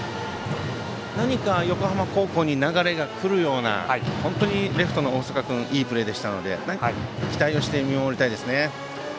何か横浜高校に流れがくるような本当にレフトの大坂君いいプレーでしたので期待をして見守りたいですね。